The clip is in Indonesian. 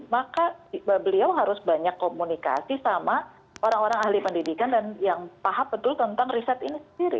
maka beliau harus banyak komunikasi sama orang orang ahli pendidikan dan yang paham betul tentang riset ini sendiri